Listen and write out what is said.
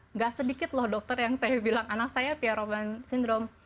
nggak sedikit loh dokter yang saya bilang anak saya piarovan syndrome